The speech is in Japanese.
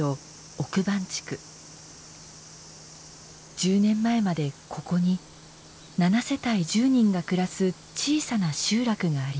１０年前までここに７世帯１０人が暮らす小さな集落がありました。